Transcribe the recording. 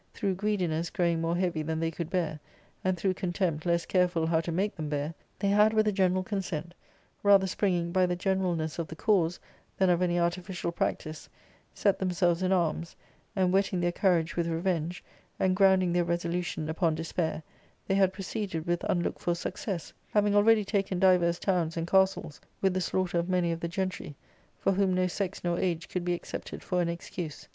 through greediness growing more heavy ! than they could bear, and through contempt less careful how^ to make them bear, they had with a general consent, rather springing by the generalness of the cause than of any artificial practice, set themselves in arms, and, whetting their courage with revenge, and grounding their resolution upon despair, they had proceeded with unlooked for success. V X ARCADIA.— Book I. 3>s having already taken divers towns and castles, with the c/\^ slaughter of many of the gentry ; for whom no sex nor age could be accepted for an excuse.